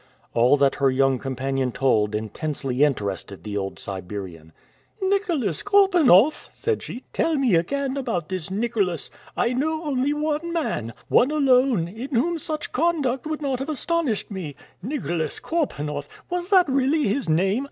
All that her young companion told intensely interested the old Siberian. "Nicholas Korpanoff!" said she. "Tell me again about this Nicholas. I know only one man, one alone, in whom such conduct would not have astonished me. Nicholas Korpanoff! Was that really his name?